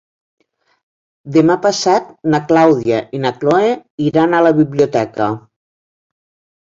Demà passat na Clàudia i na Cloè iran a la biblioteca.